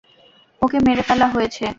ওকে মেরে ফেলা হয়েছে।